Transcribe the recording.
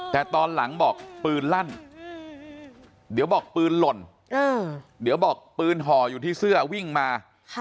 แต่ตอนหลังบอกปืนลั่นเดี๋ยวบอกปืนห่ออยู่ที่เสื้อวิ่งมา